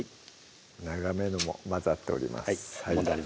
長めのも混ざっております